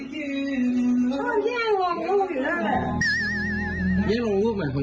เป็นแห่งวงรูปหรืออะไร